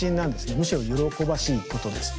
むしろ喜ばしいことです。